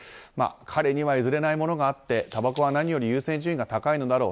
彼には譲れないものがあってたばこは何より優先順位が高いんだろう